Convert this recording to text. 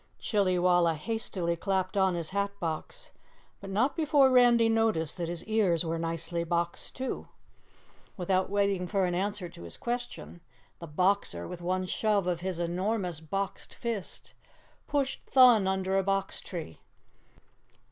Chillywalla hastily clapped on his hat box, but not before Randy noticed that his ears were nicely boxed, too. Without waiting for an answer to his question, the Boxer, with one shove of his enormous boxed fist, pushed Thun under a Box Tree.